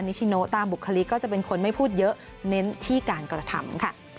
ชิโนตามบุคลิกก็จะเป็นคนไม่พูดเยอะเน้นที่การกระทำค่ะ